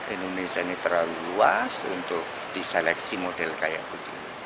indonesia ini terlalu luas untuk diseleksi model kayak begini